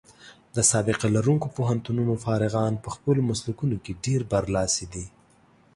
د سابقه لرونکو پوهنتونونو فارغان په خپلو مسلکونو کې ډېر برلاسي دي.